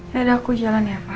ya udah aku jalan ya pa